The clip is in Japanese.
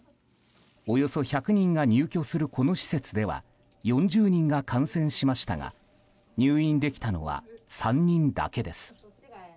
およそ１００人が入居するこの施設では４０人が感染しましたが入院できたのは３人だけです。